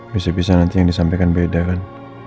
bisa bisa nanti yang disampaikan beda kan